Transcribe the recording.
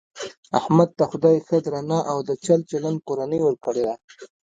احمد ته خدای ښه درنه او د چل چلن کورنۍ ورکړې ده .